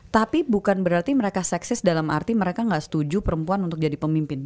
tapi bukan berarti mereka seksis dalam arti mereka nggak setuju perempuan untuk jadi pemimpin